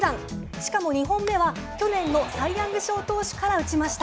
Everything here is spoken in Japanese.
しかも２本目は去年のサイ・ヤング賞投手から打ちました。